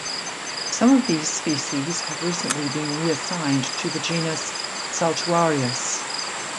Some of these species have recently been reassigned to the genus "Saltuarius".